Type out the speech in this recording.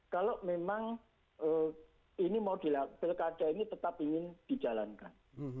kalau memang ini mau dilakukan pilkada ini tetap ingin dijalankan